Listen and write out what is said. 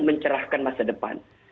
mencerahkan masa depan